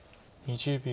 ２０秒。